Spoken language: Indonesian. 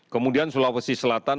kemudian sulawesi selatan